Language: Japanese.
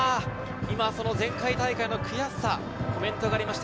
その前回大会の悔しさ、コメントがありました。